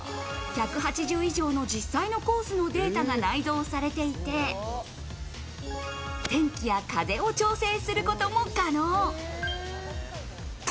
１８０以上の実際のコースのデータが内蔵されていて、天気や風を調整することも可能。